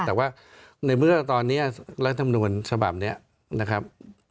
แต่ว่าในมือตอนนี้หลักธรรมนูนค์ฉบับนี้นะครับ